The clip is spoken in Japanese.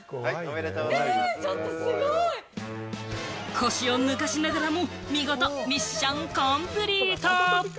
腰を抜かしながらも見事ミッションコンプリート！